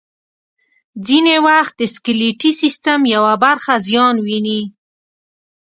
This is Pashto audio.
ځینې وخت د سکلیټي سیستم یوه برخه زیان ویني.